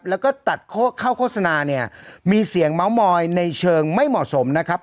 แล้วก็ตัดเข้าโฆษณาเนี่ยมีเสียงเมาส์มอยในเชิงไม่เหมาะสมนะครับ